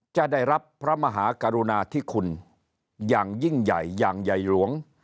จะได้รับพระมหากรุณาธิคุณอย่างยิ่งใหญ่อย่างใหญ่หลวง